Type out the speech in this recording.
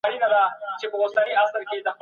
ډول ډول تحولات په لویدیځ کي منځته راغلل.